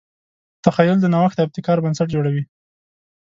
تخیل د نوښت او ابتکار بنسټ جوړوي.